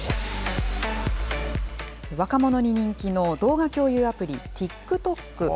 若者に人気の動画共有アプリ、ＴｉｋＴｏｋ。